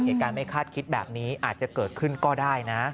เหตุการณ์ไม่คาดคิดแบบนี้อาจจะเกิดขึ้นก็ได้นะ